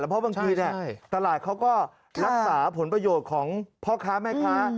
เพราะบางทีตลาดเขาก็รักษาผลประโยชน์ของพ่อค้าแม่ค้า